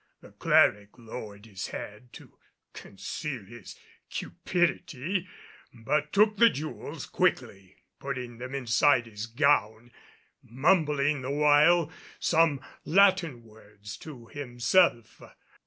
The cleric lowered his head to conceal his cupidity; but took the jewels quickly, putting them inside his gown, mumbling the while some Latin words to himself.